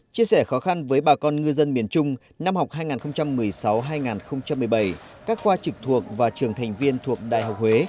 chia sẻ khó khăn với bà con ngư dân miền trung năm học hai nghìn một mươi sáu hai nghìn một mươi bảy các khoa trực thuộc và trường thành viên thuộc đại học huế